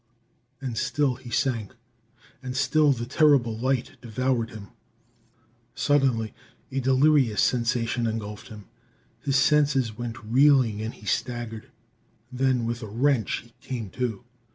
And still he sank, and still the terrible light devoured him. Suddenly a delirious sensation engulfed him; his senses went reeling away, and he staggered. Then with a wrench he came to.